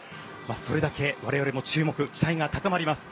それだけ我々も注目、期待が高まります。